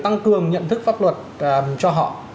tăng cường nhận thức pháp luật cho họ